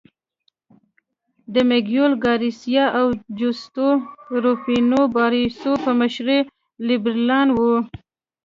د مګویل ګارسیا او جوستو روفینو باریوس په مشرۍ لیبرالان وو.